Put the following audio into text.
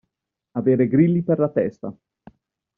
Avere grilli per la testa.